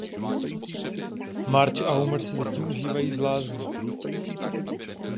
Marge a Homer si zatím užívají z lázní.